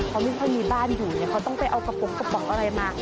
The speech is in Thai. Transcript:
เขาไม่ค่อยมีบ้านอยู่เนี่ยเขาต้องไปเอากระโปรงกระป๋องอะไรมา